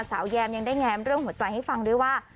แยมยังได้แงมเรื่องหัวใจให้ฟังด้วยว่า